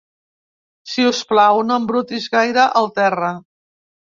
Si us plau, no embrutis gaire el terra.